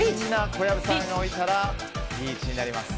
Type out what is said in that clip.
小籔さんが置いたら、みんなリーチになります。